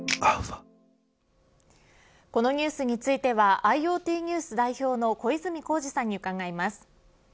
このニュースについてはＩｏＴＮＥＷＳ代表の小泉耕二さんに伺います。